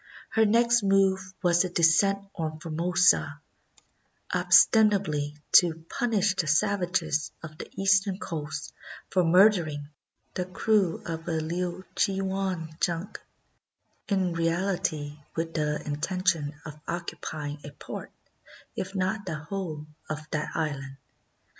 Her next move was a descent on Formosa, ostensibly to 235 CHINA punish the savages of the eastern coast for murdering the crew of a Liuchiuan junk ; in reality with the inten tion of occupying a part, if not the whole, of that island.